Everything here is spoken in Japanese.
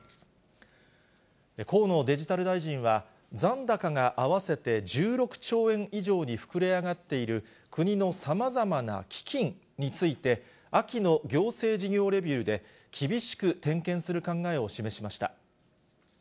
河野デジタル大臣は、残高が合わせて１６兆円以上に膨れ上がっている国のさまざまな基金について、秋の行政事業レビューで厳しく点検する考えを示しました。